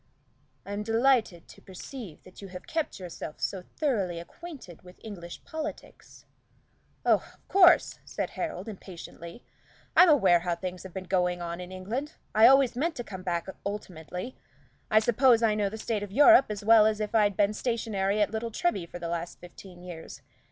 "I'm delighted to perceive that you have kept yourself so thoroughly acquainted with English politics." "Oh, of course," said Harold, impatiently. "I'm aware how things have been going on in England. I always meant to come back ultimately. I suppose I know the state of Europe as well as if I'd been stationary at Little Treby for the last fifteen years.